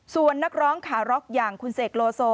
ส่วนนักร้องขาร็อกอย่างคุณเสกโลโซ